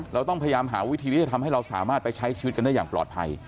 เราต้องพยายามหาวิธีที่จะทำให้เราสามารถไปใช้ชีวิตกันได้อย่างปลอดภัย